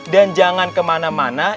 dan jangan kemana mana